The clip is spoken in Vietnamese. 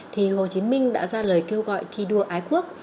thì hồ chí minh đã ra lời kêu gọi thi đua ái quốc